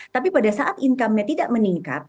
tapi pada saat income nya tidak meningkat